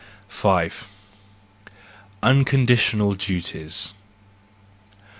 5 Unconditional Duties .